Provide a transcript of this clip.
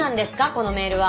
このメールは。